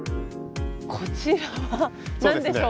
こちらは何でしょうか？